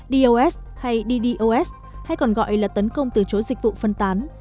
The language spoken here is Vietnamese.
dos hay ddos hay còn gọi là tấn công từ chối dịch vụ phân tán